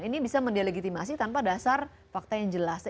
ini bisa mendelegitimasi tanpa dasar fakta yang jelas